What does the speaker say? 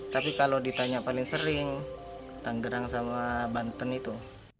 tapi kalau ditanya paling sering tanggerang sama banten itu